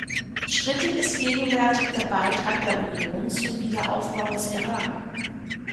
Strittig ist gegenwärtig der Beitrag der Union zum Wiederaufbau des Irak.